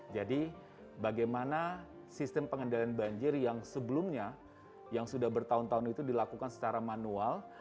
jadi bagaimana sistem pengendalian banjir yang sebelumnya yang sudah bertahun tahun itu dilakukan secara manual